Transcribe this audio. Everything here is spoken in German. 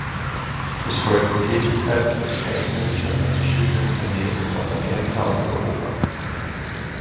Es folgten Tätigkeiten als Projektmanager bei verschiedenen Unternehmen in Nordamerika und Europa.